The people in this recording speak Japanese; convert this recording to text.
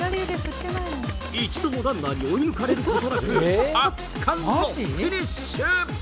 一度もランナーに追い抜かれることなく、圧巻のフィニッシュ。